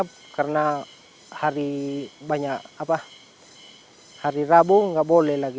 pantangan lainnya karena hari rabu nggak boleh lagi